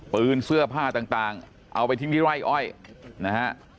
ปืนเสื้อผ้าต่างเอาไปทิ้งที่ไร่อ้อยนะฮะ